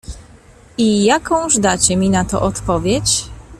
"I jakąż dacie mi na to odpowiedź?"